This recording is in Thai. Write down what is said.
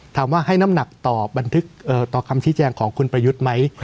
ถามว่าให้น้ำหนักต่อบันทึกต่อคำชี้แจงของคุณประยุทธ์ไหม